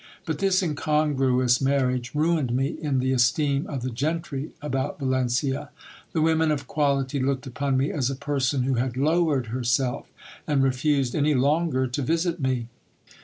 But this incongruous marriage ruined me in the esteem of the gentry about Valencia. The women of quality looked upon me as a person who had lowered herself, and refused any longer to visit me.